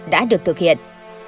đã được thực hiện